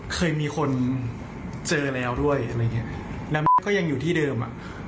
เคยมีคนเจอแล้วด้วยอะไรอย่างเงี้ยแล้วแม่ก็ยังอยู่ที่เดิมอ่ะ